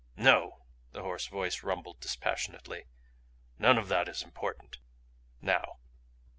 "No," the hoarse voice rumbled dispassionately. "None of that is important now.